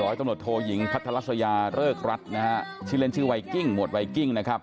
ตำรวจโทยิงพัทรัสยาเริกรัฐนะฮะชื่อเล่นชื่อไวกิ้งหมวดไวกิ้งนะครับ